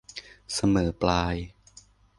เสมอปลาย